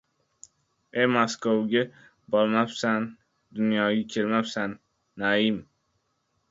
— E, Maskovga bormabsan — dunyoga kelmabsan! — Naim